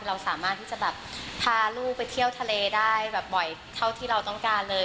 เราสามารถที่จะแบบพาลูกไปเที่ยวทะเลได้แบบบ่อยเท่าที่เราต้องการเลย